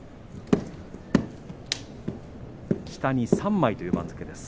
下に３枚という番付です。